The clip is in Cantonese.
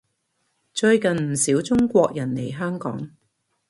最近唔少中國人嚟香港